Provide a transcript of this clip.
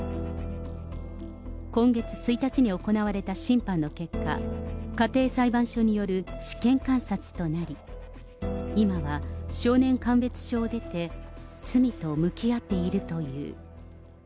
今月１日に行われた審判の結果、家庭裁判所による試験観察となり、今は少年鑑別所を出て、罪と向き合っているという。